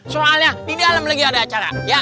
soalnya di dalam lagi ada acara